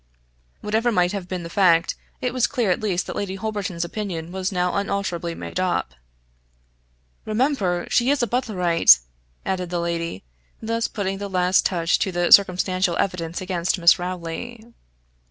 } Whatever might have been the fact, it was clear at least that Lady Holberton's opinion was now unalterably made up. "Remember, she is a Butlerite!" added the lady, thus putting the last touch to the circumstantial evidence against Miss Rowley.